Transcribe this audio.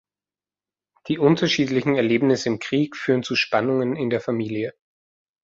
Die unterschiedlichen Erlebnisse im Krieg führen zu Spannungen in der Familie.